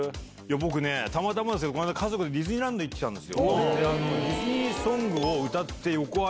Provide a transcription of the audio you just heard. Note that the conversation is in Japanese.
僕たまたまこの間家族でディズニーランド行ったんです。